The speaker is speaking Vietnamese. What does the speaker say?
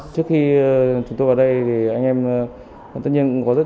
trước khi chúng tôi vào đây anh em tất nhiên cũng có rất nhiều khó khăn